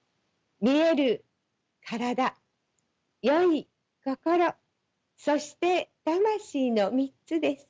見える身体良い心そして魂の３つです。